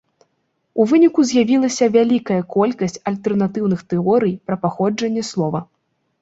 У выніку з'явілася вялікая колькасць альтэрнатыўных тэорый пра паходжанне слова.